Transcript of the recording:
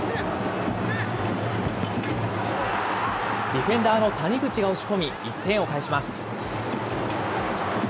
ディフェンダーの谷口が押し込み、１点を返します。